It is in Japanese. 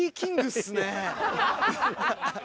アハハハハ！